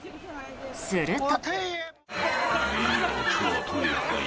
すると。